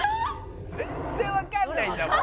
「全然わかんないんだもん」